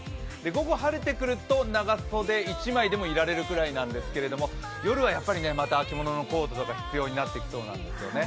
午後晴れてくると長袖１枚でもいられるぐらいなんですけど、夜はやっぱり秋物のコートとかが必要になってきそうなんですよね。